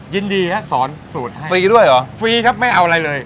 ยินดีฮะสอนสูตรฟรีด้วยเหรอฟรีครับไม่เอาอะไรเลย